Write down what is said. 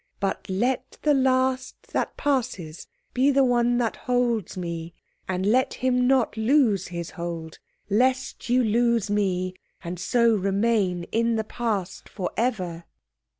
But let the last that passes be the one that holds me, and let him not lose his hold, lest you lose me, and so remain in the Past for ever."